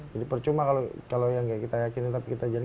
jadi percuma kalau yang nggak kita yakinin tapi kita jalani